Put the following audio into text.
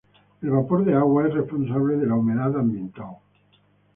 El vapor de agua es responsable de la humedad ambiental.